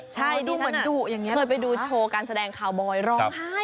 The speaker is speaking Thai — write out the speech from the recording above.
ไปดูโชว์การแสดงคาวบอย